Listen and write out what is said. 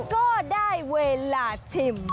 ก็ได้เวลาชิม